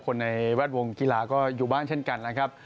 ในแวดวงกีฬาก็อยู่บ้านเช่นกันนะครับ